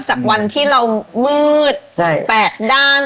จากวันที่เรามืด๘ด้าน